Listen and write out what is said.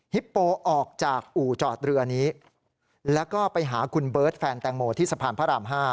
โปออกจากอู่จอดเรือนี้แล้วก็ไปหาคุณเบิร์ตแฟนแตงโมที่สะพานพระราม๕